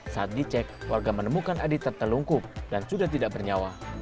saat dicek warga menemukan adi tertelungkup dan sudah tidak bernyawa